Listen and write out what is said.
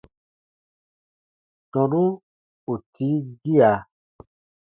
Tɔnu ù tii gia.